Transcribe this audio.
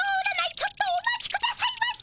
ちょっとお待ちくださいませ！